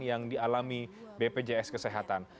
yang dialami bpjs kesehatan